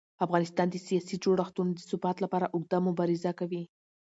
افغانستان د سیاسي جوړښتونو د ثبات لپاره اوږده مبارزه کوي